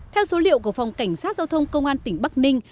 theo số liệu của phòng cảnh sát giao thông công an tỉnh bắc ninh